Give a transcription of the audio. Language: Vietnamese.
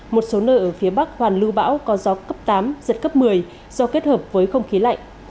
một số nơi ở phía bắc hoàn lưu bão có gió cấp tám giật cấp một mươi do kết hợp với không khí lạnh